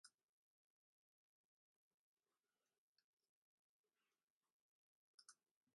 They are known as Chadda.